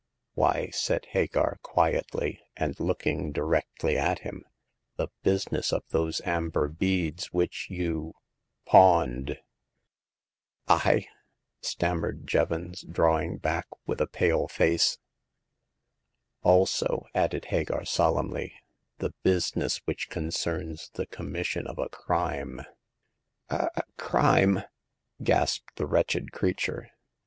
Why," said Hagar, quietly, and looking di rectly at him, "the business ofthose amber beads which you— pawned." " I," stammered Jevons, drawing back with a pale face. " Also," added Hagar, solemnly, " the business which concerns the commission of a crime." The Second Customer. 79 " A — a— a crime !'* gasped the wretched crea ture.